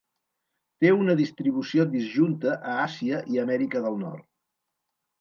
Té una distribució disjunta a Àsia i Amèrica del Nord.